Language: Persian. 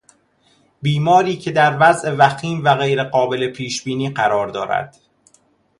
بیماری که در وضع وخیم و غیر قابل پیش بینی قرار دارد